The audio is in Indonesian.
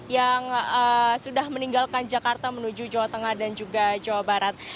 yang sudah meninggalkan jakarta menuju jawa tengah dan juga jawa barat